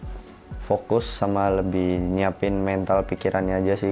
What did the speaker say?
kunci kemenangan hari ini mungkin lebih fokus sama lebih nyiapin mental pikirannya saja